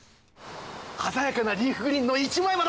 鮮やかなリーフグリーンの一枚窓。